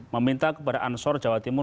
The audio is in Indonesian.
meminta kepada ansor jawa timur